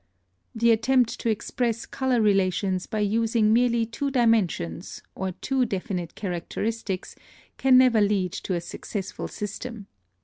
The attempt to express color relations by using merely two dimensions, or two definite characteristics, can never lead to a successful system.